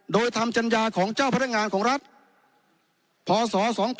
โดยทำจรรยาของเจ้าพัฒนางานของรัฐพศ๒๕๖๓